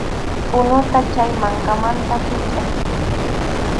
Unuta chay mankamanta hichʼay.